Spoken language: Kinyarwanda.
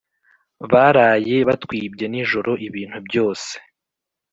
baraye batwibye nijoro ibintu byose